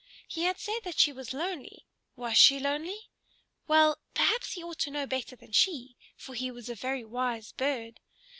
He had said that she was lonely; was she lonely? Well, perhaps he ought to know better than she, for he was a very wise bird.